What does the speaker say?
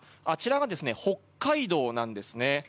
あちらが北海道なんです。